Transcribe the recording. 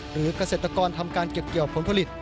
หรือเกษตรกรทำการเก็บเกี่ยวผลผลิต